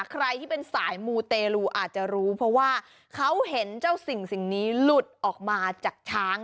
ใครที่เป็นสายมูเตรลูอาจจะรู้เพราะว่าเขาเห็นเจ้าสิ่งนี้หลุดออกมาจากช้าง